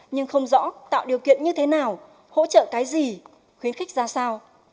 nhưng không rõ tạo điều kiện như thế nào hỗ trợ cái gì khuyến khích ra sao